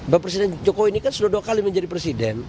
bapak presiden jokowi ini kan sudah dua kali menjadi presiden